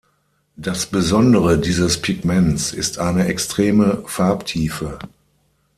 Das Besondere dieses Pigments ist eine extreme Farbtiefe.